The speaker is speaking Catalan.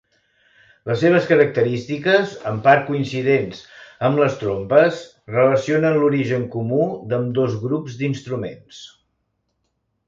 Les seves característiques, en part coincidents amb les trompes, relacionen l'origen comú d'ambdós grups d'instruments.